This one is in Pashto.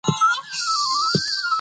د هوډ په زور هره بنده لاره خلاصېدلای سي.